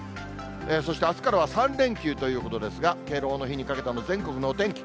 そしてあすからは３連休ということですが、敬老の日にかけての全国のお天気。